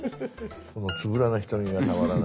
このつぶらな瞳がたまらない。